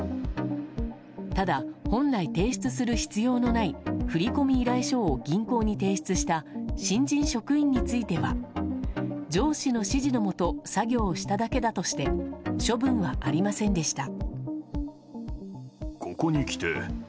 ただ、本来提出する必要のない振込依頼書を銀行に提出した新人職員については上司の指示のもと作業しただけだとして処分はありませんでした。